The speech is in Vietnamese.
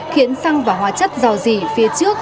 khiến xăng và hóa chất dò dì phía trước